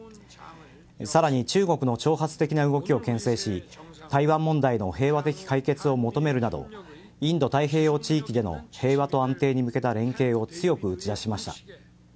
さらに中国の挑発的な動きをけん制し台湾問題の平和的解決を求めるなどインド太平洋地域での平和と安定に向けた連携を強く打ち出しました。